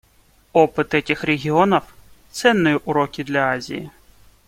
Опыт этих регионов — ценные уроки для Азии.